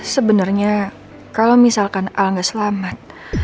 sebenarnya kalau misalkan al nggak selamat